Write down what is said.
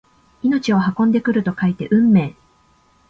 命を運んでくると書いて運命！